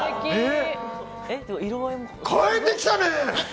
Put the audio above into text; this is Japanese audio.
変えてきたね。